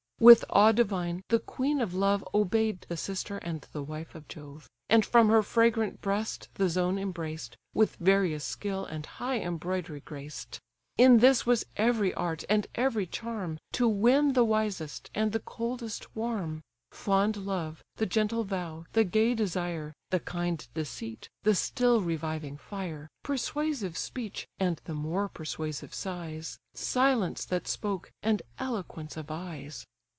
With awe divine, the queen of love Obey'd the sister and the wife of Jove; And from her fragrant breast the zone embraced, With various skill and high embroidery graced. In this was every art, and every charm, To win the wisest, and the coldest warm: Fond love, the gentle vow, the gay desire, The kind deceit, the still reviving fire, Persuasive speech, and the more persuasive sighs, Silence that spoke, and eloquence of eyes.